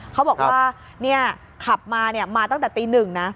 เขาบอกว่าขับมาตั้งแต่ตี๑นะ